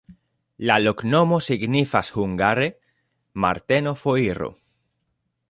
La loknomo signifas hungare: Marteno-foiro.